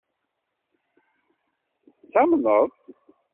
Tettamneḍ-t?